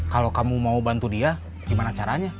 kalau kamu mau bantu dia gimana caranya